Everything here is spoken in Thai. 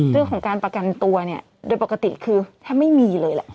เรื่องของการประกันตัวเนี่ยโดยปกติคือแทบไม่มีเลยแหละ